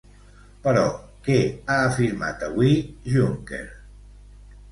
Però, què ha afirmat avui Juncker?